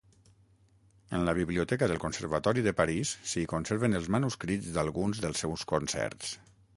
En la biblioteca del Conservatori de París s'hi conserven els manuscrits d'alguns dels seus concerts.